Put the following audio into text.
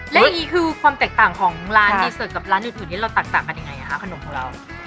แล้วอย่างนี้คือความแตกต่างของร้านดีเสิร์ตกับร้านอื่นนี้เราแตกต่างกันยังไงคะขนมของเรา